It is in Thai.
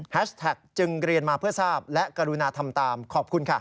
แท็กจึงเรียนมาเพื่อทราบและกรุณาทำตามขอบคุณค่ะ